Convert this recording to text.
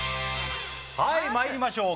はい参りましょう。